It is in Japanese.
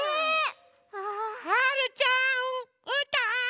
・はるちゃんうーたん！